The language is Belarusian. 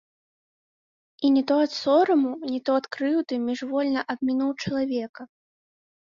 І не то ад сораму, не то ад крыўды міжвольна абмінуў чалавека.